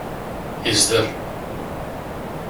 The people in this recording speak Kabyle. Yezder.